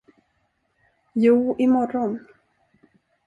Jo, i morgon.